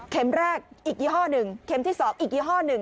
เข็มแรกอีกยี่ห้อนึงเข็มที่๒อีกยี่ห้อนึง